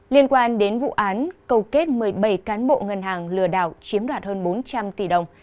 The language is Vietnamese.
liên quan đến vụ án cầu kết một mươi bảy cán bộ ngân hàng lừa đảo chiếm đoạt hơn bốn trăm linh tỷ đồng